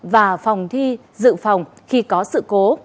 và phòng thi dự phòng khi có sự cố